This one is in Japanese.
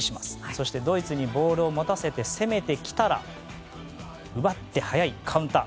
そしてドイツにボールを持たせて攻めてきたら奪って早いカウンター。